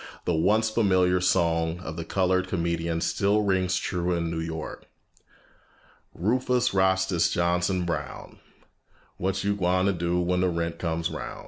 The once familiar song of the colored comedian still rings true in New York: "Rufus Rastus Johnson Brown, What you gwine ter do when de rent comes roun'?"